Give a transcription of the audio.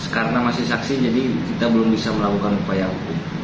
karena masih saksi jadi kita belum bisa melakukan upaya hukum